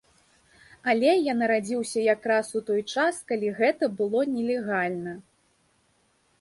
Але я нарадзіўся якраз у той час, калі гэта было нелегальна.